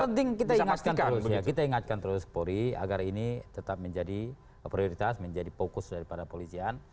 yang penting kita ingatkan terus ya kita ingatkan terus polri agar ini tetap menjadi prioritas menjadi fokus daripada polisian